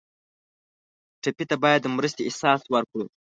ټپي ته باید د مرستې احساس ورکړو.